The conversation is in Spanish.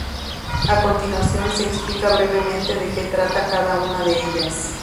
A continuación, se explica brevemente de que trata cada una de ellas.